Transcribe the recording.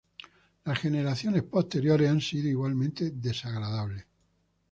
Las generaciones posteriores han sido igualmente desagradables.